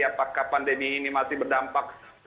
apakah pandemi ini masih berdampak